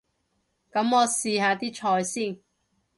噉我試下啲菜先